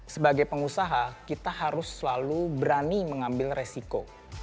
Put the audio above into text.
sebagai pengusaha kita harus selalu berani mengambil resiko